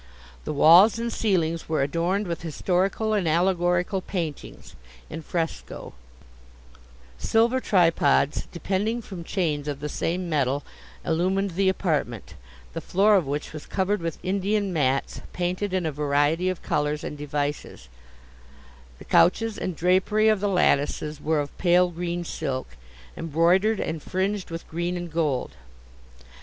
The walls and ceilings were adorned with historical and allegorical paintings, in fresco; silver tripods, depending from chains of the same metal, illumined the apartment, the floor of which was covered with Indian mats painted in a variety of colours and devices; the couches and drapery of the lattices were of pale green silk, embroidered and fringed with green and gold.